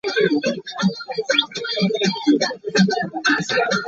Cope joined the demonstrations and took a prominent role in them.